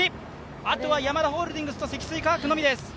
あとはヤマダホールディングスと積水化学のみです。